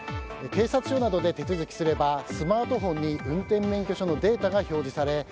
警察署などで手続きすればスマートフォンに運転免許証のデータが表示され